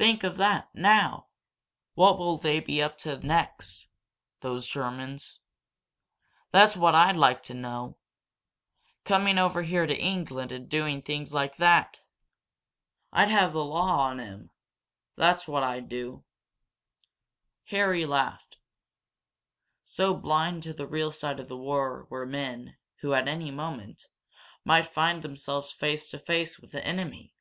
"Think of that, now! What will they be up to next those Germans? That's what I'd like to mow! Coming over here to England and doing things like that! I'd have the law on 'em that's what I'd do!" Harry laughed. So blind to the real side of war were men who, at any moment, might find themselves face to face with the enemy!